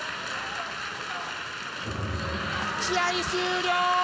試合終了！